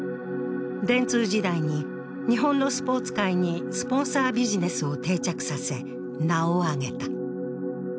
電通時代に、日本のスポーツ界にスポンサービジネスを定着させ名を上げた。